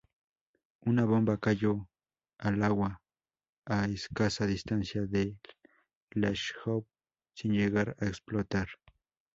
Una bomba cayó al agua a escasa distancia del "Glasgow" sin llegar a explotar.